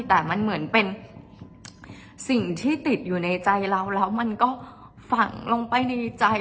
แต่มันเหมือนเป็นสิ่งที่ติดอยู่ในใจเราแล้วมันก็ฝังลงไปในใจ